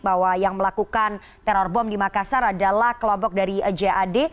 bahwa yang melakukan teror bom di makassar adalah kelompok dari jad